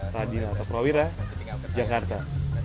radina toprawira jakarta